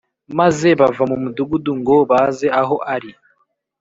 ” Maze bava mu mudugudu ngo baze aho ari.